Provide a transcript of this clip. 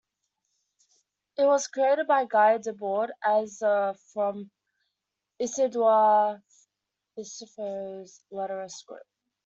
It was created by Guy Debord as a from Isidore Isou's Letterist group.